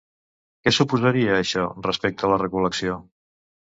Què suposaria això respecte a la recol·lecció?